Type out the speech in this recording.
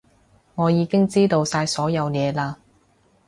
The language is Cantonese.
我已經知道晒所有嘢嘞